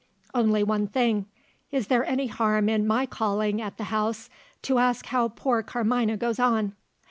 "Only one thing. Is there any harm in my calling at the house, to ask how poor Carmina goes on?"